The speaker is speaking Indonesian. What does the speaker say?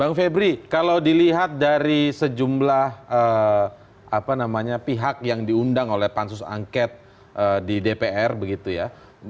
bang febri kalau dilihat dari sejumlah pihak yang diundang oleh pansus angket di dpr begitu ya